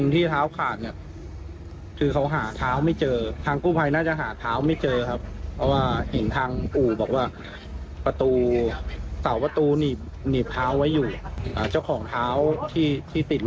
ตัวเขาอยากให้รู้หรือเปล่าว่าถ้าเป็นความเชื่อโบราณ